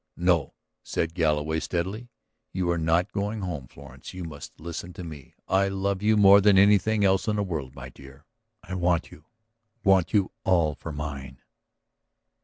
"No," said Galloway steadily. "You are not going home, Florence. You must listen to me. I love you more than anything else In the world, my dear. I want you, want you all for mine."